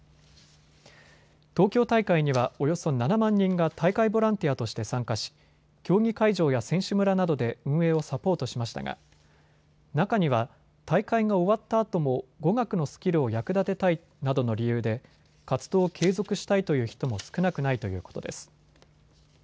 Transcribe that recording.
東京大会にはおよそ７万人が大会ボランティアとして参加し、競技会場や選手村などで運営をサポートしましたが中には大会が終わったあとも語学のスキルを役立てたいなどの理由で活動を継続したいという人も少なくないということです。